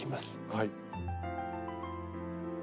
はい。